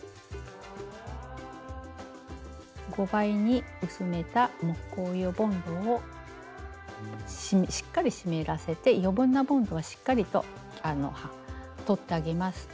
５倍に薄めた木工用ボンドをしっかり湿らせて余分なボンドはしっかりと取ってあげます。